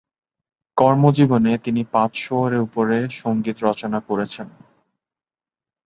কর্মজীবনে তিনি পাঁচশো-এর উপরে সংগীত রচনা করেছেন।